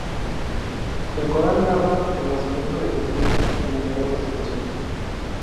El Corán narra el nacimiento de Jesús en numerosas ocasiones.